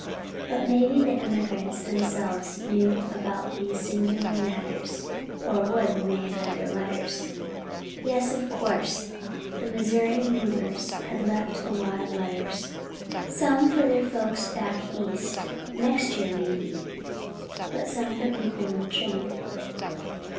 But maybe the emigrants themselves knew about these singular matters, or would when they had read their letters. Yes, of course, the Missouri movers had left a lot of letters, some for their folks back East next year maybe, but some for people in the train.